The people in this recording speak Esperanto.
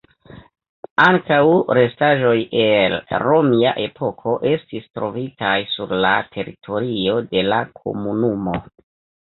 Ankaŭ restaĵoj el romia epoko estis trovitaj sur la teritorio de la komunumo.